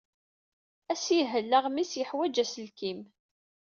Assihel amiɣis yeḥwaj aselkim.